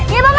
iya pak man